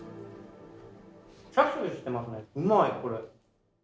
うまいこれ。